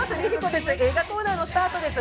です、映画コーナーのスタートです